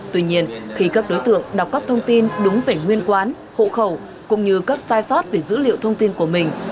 tuy nhiên khi các đối tượng đọc các thông tin đúng về nguyên quán hộ khẩu cũng như các sai sót về dữ liệu thông tin của mình